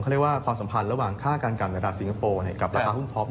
ถูกต้องครับ